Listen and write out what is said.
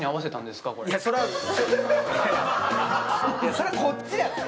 それはこっちや。